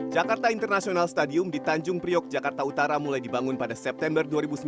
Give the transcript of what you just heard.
jakarta international stadium di tanjung priok jakarta utara mulai dibangun pada september dua ribu sembilan belas